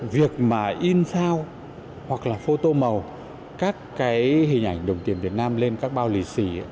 việc mà in sao hoặc là phô tô màu các cái hình ảnh đồng tiền việt nam lên các bao lì xì